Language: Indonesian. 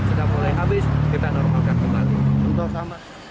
sudah mulai habis kita normalkan kembali